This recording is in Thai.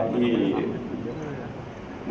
ขอบคุณครับ